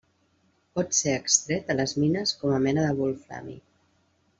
Pot ser extret a les mines com a mena del wolframi.